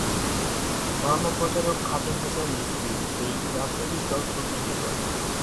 ধর্মপ্রচারক খাদিম হুসাইন রিজভী এই রাজনৈতিক দল প্রতিষ্ঠা করেন।